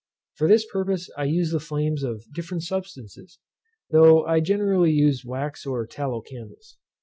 For this purpose I used the flames of different substances, though I generally used wax or tallow candles.